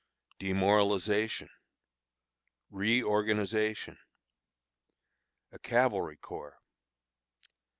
Demoralization. Reorganization. A Cavalry Corps.